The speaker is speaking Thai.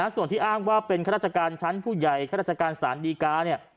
ส่วนที่อ้างว่าเป็นข้าราชการชั้นผู้ใหญ่ข้าราชการสารดีกาเนี่ย